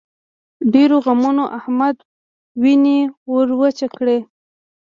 ډېرو غمونو د احمد وينې ور وچې کړې.